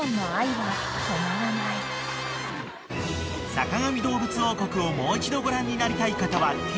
［『坂上どうぶつ王国』をもう一度ご覧になりたい方はＴＶｅｒで］